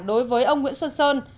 đối với ông nguyễn xuân sơn